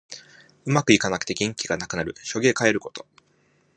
うまくいかなくて元気がなくなる。しょげかえること。